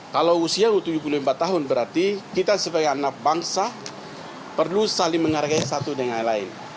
kalau usia tujuh puluh empat tahun berarti kita sebagai anak bangsa perlu saling menghargai satu dengan yang lain